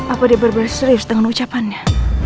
apa dia berbicara serius dengan ucapannya